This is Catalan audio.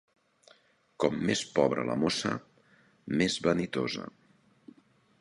Com més pobre la mossa, més vanitosa.